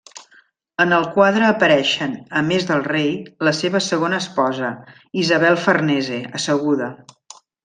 En el quadre apareixen, a més del rei, la seva segona esposa, Isabel Farnese, asseguda.